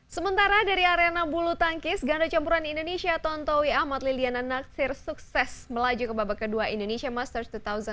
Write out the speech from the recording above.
sementara dari arena bulu tangkis ganda campuran indonesia tontowi ahmad liliana naksir sukses melaju ke babak kedua indonesia masters dua ribu delapan belas